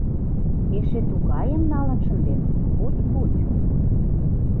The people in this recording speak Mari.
Эше тугайым налын шындем — будь-будь!